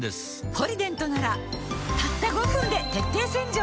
「ポリデント」ならたった５分で徹底洗浄